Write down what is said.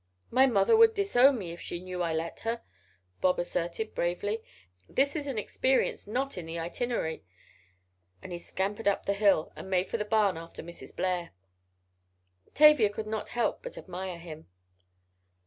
"My mother would disown me if she knew I let her," Bob asserted, bravely. "This is an experience not in the itinerary," and he scampered up the hill, and made for the barn after Mrs. Blair. Tavia could not help but admire him.